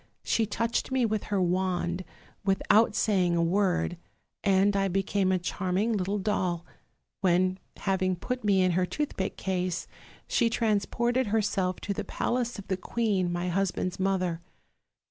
She touched me with her wand, without saying a word, and I became a charming little doll; when, having put me in her toothpick case, she transported herself to the palace of the queen, my hus band's mother.